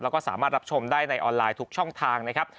แล้วก็สามารถรับชมได้ในออนไลน์ทุกช่องทางนะครับ